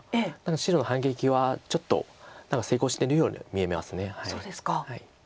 白の反撃はちょっと何か成功してるように見えます。